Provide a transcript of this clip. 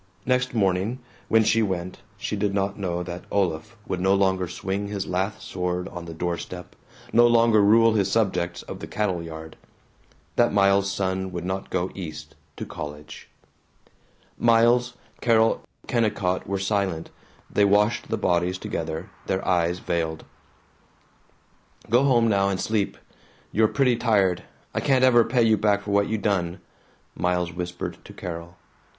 Next morning, when she went, she did not know that Olaf would no longer swing his lath sword on the door step, no longer rule his subjects of the cattle yard; that Miles's son would not go East to college. Miles, Carol, Kennicott were silent. They washed the bodies together, their eyes veiled. "Go home now and sleep. You're pretty tired. I can't ever pay you back for what you done," Miles whispered to Carol.